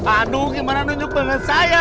aduh gimana nunjuk pengen saya